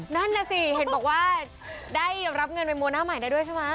นั่นน่ะสิเห็นบอกว่าได้รับเงินไปมัวหน้าใหม่ได้ด้วยใช่ไหม